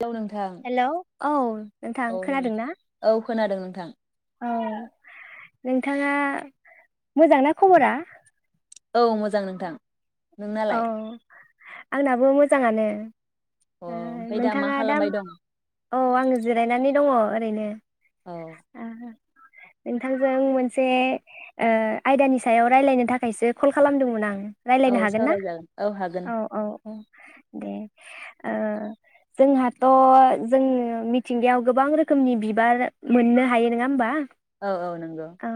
Hello नोंथां hello औ नोंथां औ नोंथां खोनादोंना औ खोनादों नोंथां औ नों नोंथाङा मोजांना खबरा औ मोजां नोंथां औ नोंनालाय आंनाबो मोजाङानो अ ओमफ्राय मा नोंथाङा दा खालामबाय दं औ आङो जिरायनानै दङ ओरैनो औ [inaudible] नोंथांजों मोनसे ओ आयदानि सायाव रायलायनो थाखायसो कल खालामदोंमोन आं रायलायनो हागोन ना जाग औ हागोन औ औ दे ओ जोंहाथ जोंङो मिथिंगायाव गोबां रोखोमनि बिबार मोननो हायो नङा होमबा औ औ नंगौ औ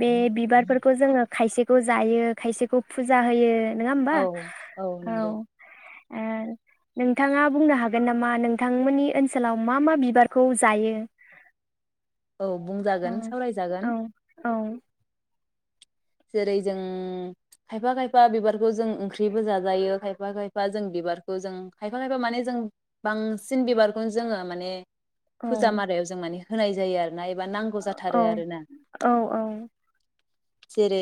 बे बिबारफोरखौ जोङो खायसेखौ जायो खायसेखौ फुजा होयो नङा होमबा औ औ नोंथाङा बुंनो हागोन नामा नोंथांमोननि ओनसोलाव मा मा बिबारखौ जायो औ औ बुंजागोन सावरायजागोन औ औ जेरै जों खायफा खायफा बिबारखौ जों ओंख्रिबो जाजायो खायफा खायफा जों बिबारखौ जों खायफा खायफा माने जों बांसिन बिबारखौनो जोङो माने औ फुजा मारायाव जों माने होनाय जायो आरो औ औ औ जेरै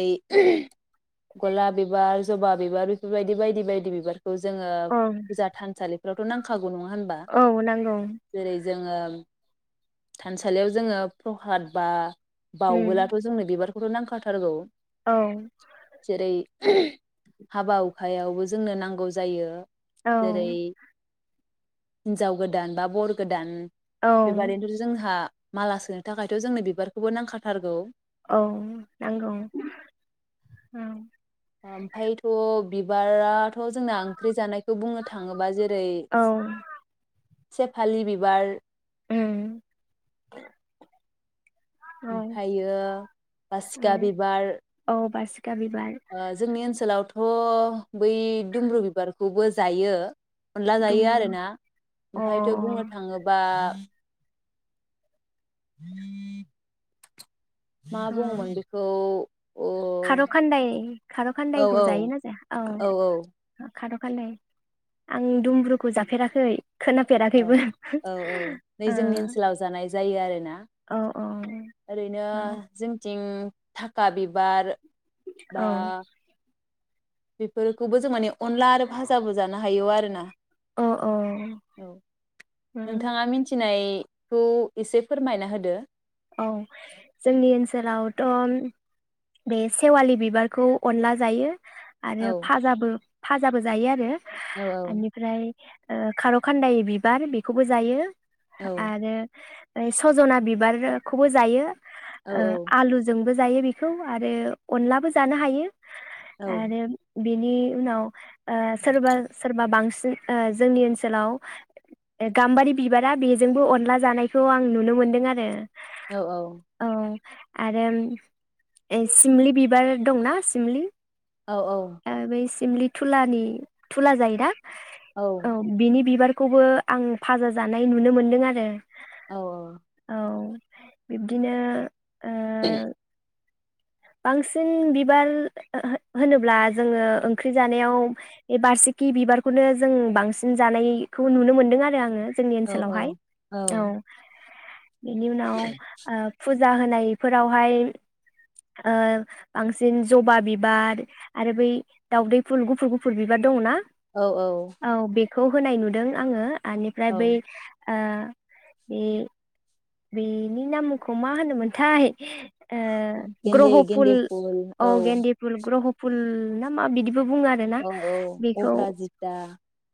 गलाब बिबार जबा बिबार बेफोरबायदि बायदि बायदि बिबार खौ जोङो औ फुजा थानसालि थ नांखागौ नङा होनब औ नांगौ जेरै जोङो थानसालियाव जोङो प्रहाद बा बावबोलाथ उम जोंनो बिबार बेथ नांखाथारगौ औ जेरै हाबा हुखायावबो जोंनो नांगौ जायो। औ जेरै हिनजाव गोदान बा बर' गोदान औ। बेबादिनोथ' जोंहा माला सुनो थाखायथ जोंनो बिबारखौबो नांखाथारगौ। औ नांगौ औ। ओमफ्रायथ' बिबारा थ जोंना ओंख्रि जानायखौ बुंनो थाङोबा जेरै औ सेफालि बिबार उम। औ ओमफ्रायो औ बासिखा बिबार औ बासिखा बिबार जोंनि ओनसोलाव। थ बै दुमब्रु बिबारखौबो जायो अनला जायो दुमबुरु आरोना अ ओमफ्रायथ बुंनो थाङोबा [inaudible] मा औ बुङोमोन बेखौ खार खान्दाय खार अ औ खान्दायखौ जायोना औ जाया औ। खार खानदाय आं दुमब्रुखौ जाफेराखै औ खोनाफेराखैबो औ औ नै ओ जोंनि ओनसोलाव जानाय जायो आरोना औ औ ओरैनो जोंथिं थाखा बिबार औ बा बेफोरखौबो जों माने अनला आरो भाजाबो जानो हायो आरो ना। औ औ औ उम नोंथाङा मिथिनाय खौ एसे फोरमायना होदो। औ जोंनि ओनसोलावथ बे सेवालि बिबारखौ अनला जायो। आरो औ फाजाबो फाजाबो जायो आरो। औ आनिफ्राय। ओ खार खान्दायनि बिबार बेखौबो जायो। औ आरो औय सजना बिबाररो खौबो जायो। औ आलु जोंबो जायो बिखौ आरो अनलाबो जानो हायो औ आरो बिनि उनाव ओ सोरबा सोरबा बांसिन ओ जोंनि ओनसोलाव ओ गाम्बारि बिबारा बेजोंबो अनला जानायखौ आं नुनो मोनदों आरो औ आरोम ए सिमलि बिबार दंना सिमलि औ औ बै सिमलि थुलानि थुला जायोना औ बिनि बिबार खौबो आं फाजा जानाय नुनो मोन्दों आरो औ औ बिबदिनो ओ [unintelligible] बांसिन बिबार हो हो होनोब्ला जोङो ओंख्रि जानायाव बे बासिकि बिबारखौनो जों बांसिन जानायखौ नुनो मोनदों आरो आङो जोंनि ओनसोलावहाय औ इनि उनाव ओ फु जाहोनायफोरावहाय ओ बांसिन जबा बिबार आरो बै दावदै फुल गुफुर गुफुर बिबार दङना औ औ खौ होनाय नुदों आङो आनिफ्राय बै औ आ बे बेनि नामखौ मा होनोमोनथाय? ओ ग्रह फुल औ गेन्दि फुल ग्रह फु फुल ना मा बिदि बो बुङो आरोना औ औ बिखौ अपराजिता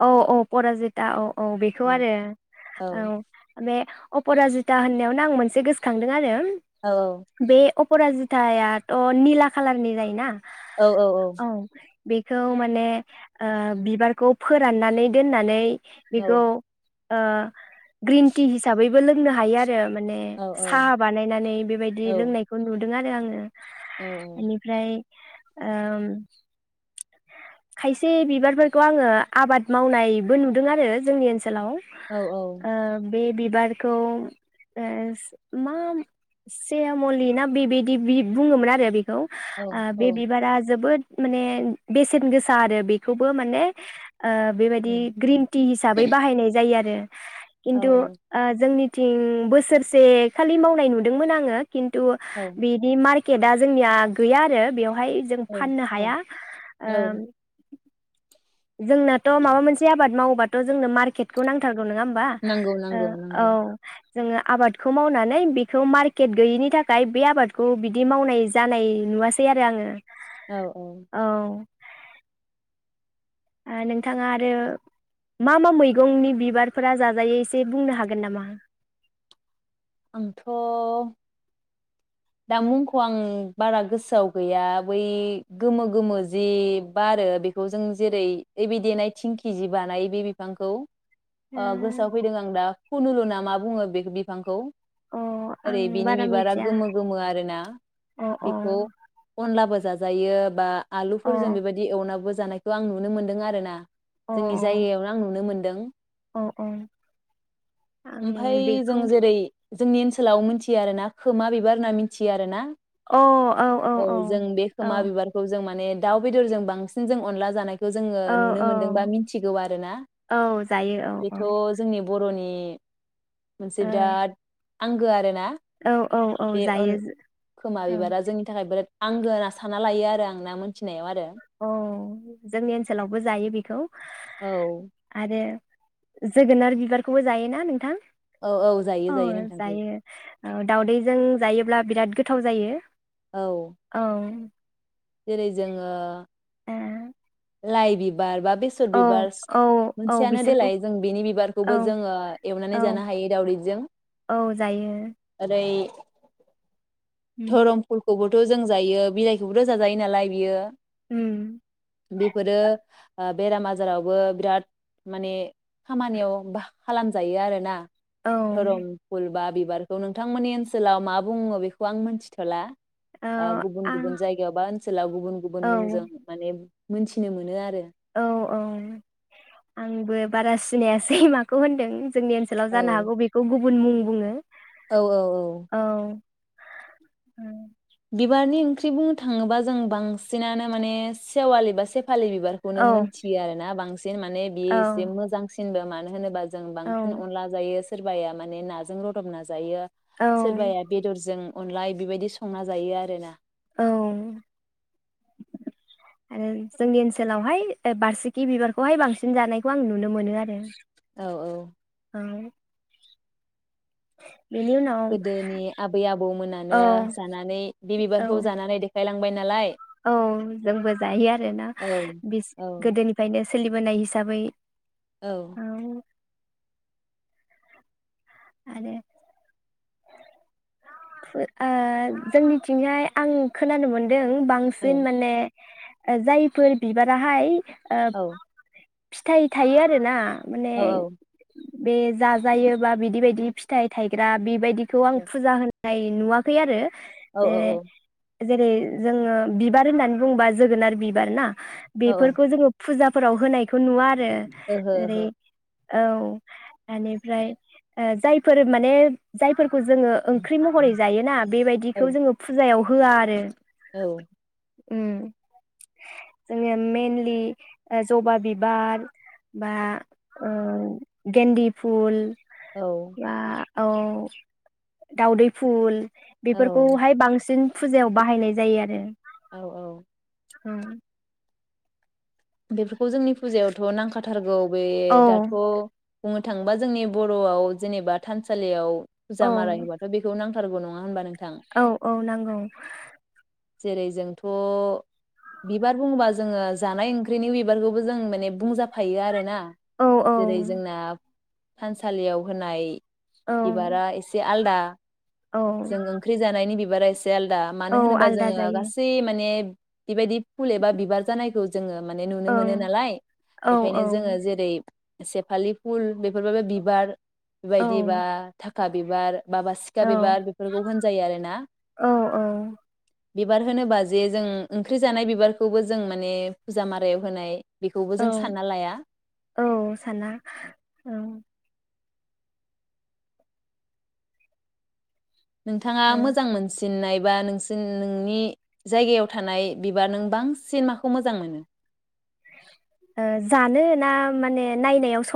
औ औ परा जिता अ' औ बिखौ आरो औ बे अपराजि दा होननायावनो आं मोनसे गोसोखांदों आरो। औ बे अपराजि थायाथ' निला खालारनि जायोना? औ औ औ बिखौ माने ओ बिबारखौ फोराननानै दोननानै औ बिखौ ओ ग्रिन टि हिसाबैबो लोंनो हा हायो आर होयो माने औ औ साहा बानायनानै बेबायदि लोंनायखौ नु दों आरो आङो। एनिफ्राय ओम खायसे बिबारफोरखौ आङो आबाद मावनायबो नुदों आरो जोंनि ओनसो सोलाव ओ बे बिबारखौ ए मा सेयामलि ना बि-बिदि बि बुङोमोन आरो बिख खौ आ बे बिबारा जोबोद माने बेसेन गोसा आरो बेखौबो माने ओ बेबायदि ग्रिन टि हिसाबै बाहायनाय जायो आरो। किन्थु औ ओ जोंनि थिं बोसोरसे खालि मावनाय नुदोंमोन आङो। किन्थु औ बिदि मार केेटा जोंनिया गैया आरो बेव हाय जों फाननो औ हाया औ ओम जोंनाथ' माबा मोनसे आबाद माव बाथ' जोंनो मार्केटखौ नांथार नङा होमबा नांगौ ओ नांगौ औ नांगौ जोङो आबादखौ मावनानै बेखौ मार्केट गैयिनि थाखाय बे आबादखौ बिदि मावनाय जानाय नुवासै आरो आङो। औ औ ओ नोंथाङा आरो मा मा मैगंनि बिबारफोरा जाजायो एसे बुंनो हागोन नामा? आंथ' दा मुंखौ आं बारा गोसोआव गैया बै गोमो गोमो जि बारो बेखौ जों जेरै ओइ बे देनाय थिंखि जि बानायो बे बिफांखौ ओ गोसोआव अ फैदों आं दा खुनुलु नामा बुङो बे बिफांखौ आं ओरै बिनि बारा बिबारा मिथिया गोमो गोमो आरोना अ अ बेखौ अनलाबो जाजा जायो बा अ आलुफोर जों बेबायदि एवनाबो जानायखौ आं नुनो मोन्दों आरोना अ जोंनि जायगायावनो आं नुनो मोन दों औ औ ओमफाय जों जेरै जोंनि ओनसोलाव मोनथियो आरोना खोमा बिबार होना मोनथियो आरो ना अ औ औ जों बे औ खोमा बिबारखौ जों माने दाउ बेदरजों बांसिन जों अनला जानाय खौ जोङो औ नुनो औ मोनदोंबा मिथिगौ आरोना औ जायो बेथ औ जोंनि बरनि मोनसे औ बिराद आंगो आरो ना औ औ औ जायो खोमा औ बिबारा जोंनि थाखाय बिराद आंगो होनना सानना लायो आरो आं ना मोनथिनायाव आरो अ जोंनि ओनसोलावबो जायो बेखौ औ आरो जोगोनार बिबारखौबो जायोना नोंथां? औ औ जायो अ जायो नोंथां जायो अ दावउदैजों जायोब्ला बिराद गोथाव जायो। औ जेरै जोङो ओ लाइबिबार बा बेसर बिबारह औ औ औ मोनसेयानो बिसोरखौ देलाय जों बिनि औ बिबारखौबो जोङो एवनानै औ जानो हायो दावदैजों औ जायो ओरै उम धरमफोरखौबो द जों जायो बिलाइखौ रोजा जायो नालाय बियो उम बेफोरो ओ बेराम आजारावबो बिराद माने खामानियाव बाह खालामजायो आरोना औ धरं फुल बाबि बारखौ नोंथांमोननि ओनसोलाव मा बुङो बेखौ आं मोनथिथला ओ आं गायावबा ओनसोव गुबुन गुबुन औ मुंजों माने मोनथिनो मोनो आरो औ औ आंबो बारा सिनायासै माखौ होनदों जोंनि औ ओनसोलाव जानो हागौ गुब गुबुन मुं बुङो। औ औ औ उम बिबारनि ओंख्रि बुंनो थाङोबा जों बांसिनानो माने सेवलि एबा सेफ फालि बिबारखौनो औ मोनथियो आरो ना बांसिन माने बियो एसे मोजांसिनबो मान मानो होनोबा जों औ बांसिन अनला जायो। सोरबाया माने नाजों रदब ना जायो औ सोरबाया बेदरजों अनलाय बेबायदि स संना जायो आरो ना औ आरो जोंनि ओनसोलावहाय ओ बारसिखि बिबारखौहाय बांसिन जानायखौ आं नुनो मोनो आरो औ औ औ बेनि उनाव गोदोनि आबै आबौ औ मोनानो जानानै बे औ बिबारखौ जानानै देखायलां थांबाय नालाय औ जोंबो जायो आरो ना औ बिस औ गोदोनिफ्रायनो सोलिबोनाय हिसाबै औ आरोे फो ओ जोंनि थिंजाय आं खोनानो मोन दों औ बांसिन माने ओ जायफोर बिबारा हाय ओब औ फिथाइ थायो आरो ना माने औ बे जाजायो बा बिदि बायदि फिथाइ थायग्रा बेबायदि खौ आं फुजा होन नाय नुवाखै आरो औ औ औ। जेरै जोङो बिबार होननानै बुङोबा जोगोनार बिबार ना औ बेफोरखौ जोङो फुजाब फोराव होनायखौ नुवा ए ओहो ओरै औ बेनिफ्राय जायफोर माने जायफोरखौ जों ओंख्रि महरै जायोना बेबायदिखौ ओहो जोङो फुजायाव होआ आरो। उम जों मेनलि जबा बिबार बा गेन्दि फुल औ बा औ। दाावदै फुल औ औ बेफोरखौहाय बांसिन फुजायाव बाहायनाय जायो आरो औ औ। औ। बेफोरखौ जोंनि फुजायावथ' नांखाथारगौ बे औ दाथ' बुंनो थाङोबा जोंनि बर'आव जेनेबा थानसालियाव फुजा औ माराय होबाथ' बेखौ नां सारग' नङा होनबा नों? औ औ नांगौ। जेरै जोंथ' बिबार बुङोबा जोङो जानाय ओं ओंख्रिनि बिबारखौबो जों माने बुंजाफायो आर ना औ औ जेरै जोंना थानसालियाव होनाय औ बिबारा एसे आलदा आ औ जों ओंख्रि जानायनि बेब बारा एस से आलदा औ मानो होनोबा आलदा जोङो जायो गासै माने बेबायदि फुल एबा बिबार जानायखौ जोङो माने नुनो ओं मोनो नालाय औ बेखायनो औ जोङो जेरै सेफालि फुल बेफोर बो बिबार औ बेबायदिबा थाखा बिबार बाबा सिखा औ बिबार। फोरखौ होनजायो आरोना। औ बिबार होनोबा जे जों ओंख्रि जानाय बिबारखौबो जों माने फुजा मारायाव होनाय बेखौबो औ जों सानना लाया औ साना ओं नोंथाङा ओ मोजां मोनसिननाय बा नोंसोन नोंनि जायगायाव थानाय बिबार नों बांसिन माखौ मोजां मोनो? ओ जानो ना माने नायनायाव स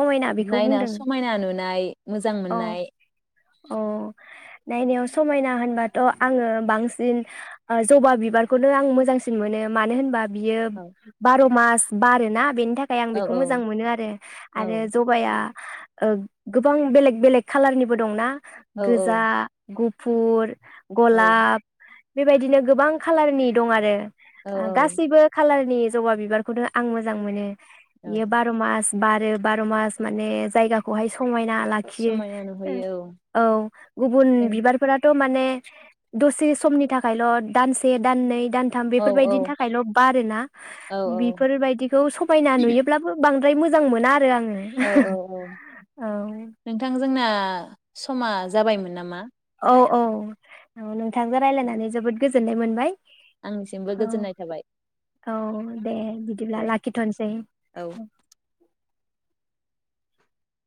नायनायाव समायना नुनाय मोजां मोननाय। अ' नायनायाव समायना होनबाथ' आङो बांसिन ओ जबा बिबारखौनो आं मोजांसिन मोनो, मानो होनबा बियो औ बार' मास बारोना बेनि थाखाय आं औ बेखौ मोजां औ मोनो आरो। औ आरो जबाया ओ गोबां बेलेग बेलेग खालारनिबो दंना? औ गोजा, गुफ फुर, औ गलाब बेबायदिनो गोबां खाालारनि दं आरो। औ ओ गासैबो खालार नि जबा बिबारखौनो आं मोजां मोनो। औ एयो बार' मास बारो। बार' मास माने जायगाखौहाय समायना ला खियो समायना नुहैयो ओ औ गुबुन बिबारफोराथ' माने दसे समनि थाखायल' दानसे दाननै दानथाम जों औ बेफोरबायदिनि थाखायल' बारोना? औ बेफोरबायदिखौ समायना नुयोब्लाबो बां द्राय मोजां मोना आरो आं औ थां जोंना समा जाबायमोन नामा? औ औ औ अ नोंथांजों रायलायनानै जोबोद गोजोननाय मोनबाय। आंनिसिमबो औ गोजोननाय थाबाय औ दे बिदिब्ला दे लाखिथ'नोसै। औ